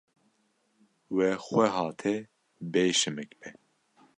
Wê xweha te bê şimik be.